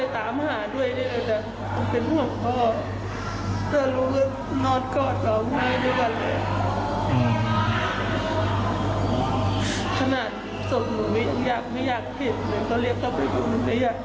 ถ้าอยากเห็นก็เรียกเขาไปดูถ้าอยากรู้ก็ไปดู